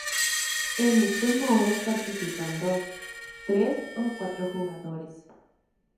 En este modo participan dos, tres o cuatro jugadores.